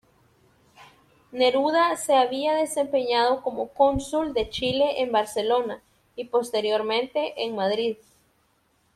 Neruda se había desempeñado como cónsul de Chile en Barcelona y posteriormente en Madrid.